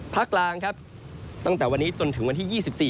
ภาคกลางตั้งแต่วันนี้จนถึงวันที่๒๔